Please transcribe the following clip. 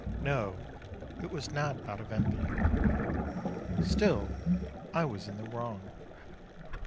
No, it was not out of envy. Still I was in the wrong.